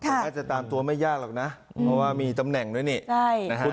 อาจจะตามตัวไม่ยากหรอกนะเพราะว่ามีตำแหน่งด้วยเนี่ย